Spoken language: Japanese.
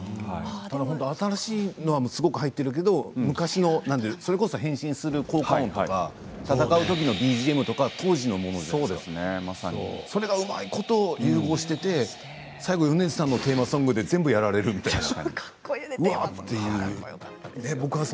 新しいものはすごく入っているけれど、昔のそれこそ変身する効果音とか戦うＢＧＭとかは当時のものでそれが、うまいこと融合していて最後、米津さんのテーマソングで全部やられるみたいな。